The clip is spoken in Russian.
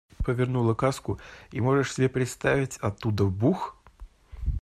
Повернула каску, и, можешь себе представить, оттуда бух!